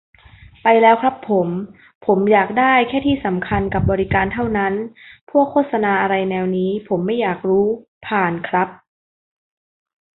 ไปแล้วครับผม ผมอยากได้แค่ที่สำคัญกับบริการเท่านั้น พวกโฆษณาอะไรแนวนี้ผมไม่อยากรู้ผ่าน ครับ